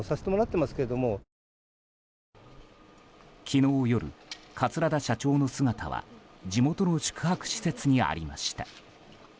昨日夜、桂田社長の姿は地元の宿泊施設にありました。